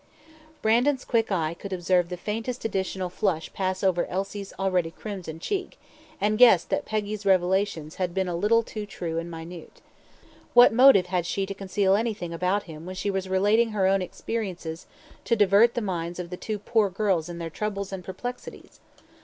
Brandon's quick eye could observe the faintest additional flush pass over Elsie's already crimson cheek, and guessed that Peggy's revelations had been a little too true and minute. What motive had she to conceal anything about him when she was relating her own experiences to divert the minds of the two poor girls in their troubles and perplexities?